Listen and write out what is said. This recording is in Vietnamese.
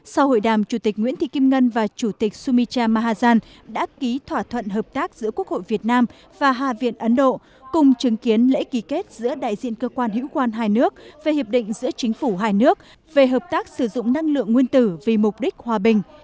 sau hội đàm chủ tịch nguyễn thị kim ngân và chủ tịch sumicha mahazan đã ký thỏa thuận hợp tác giữa quốc hội việt nam và hà viện ấn độ cùng chứng kiến lễ ký kết giữa đại diện cơ quan hữu quan hai nước về hiệp định giữa chính phủ hai nước về hợp tác sử dụng năng lượng nguyên tử vì mục đích hòa bình